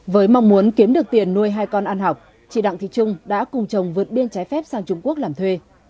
với mong muốn kiếm được tiền nuôi hai con ăn học chị đặng thị trung đã cùng chồng vượt biên trái phép sang trung quốc làm thuê